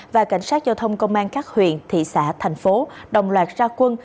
và cảnh sát giao thông công an các huyện thị xã thành phố đồng loạt ra quân